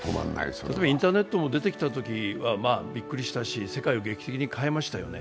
でも、インターネットは出てきたときはびっくりしたし世界を劇的に変えましたよね。